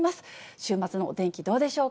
週末のお天気、どうでしょうか？